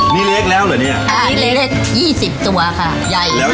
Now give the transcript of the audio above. นี่เล็กแล้วหรือนี่อ่านี่เล็กเล็กยี่สิบตัวค่ะใหญ่แล้วไก่